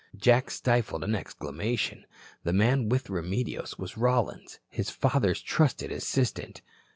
Jack stifled an exclamation. The man with Remedios was Rollins, his father's trusted assistant.